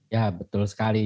ya betul sekali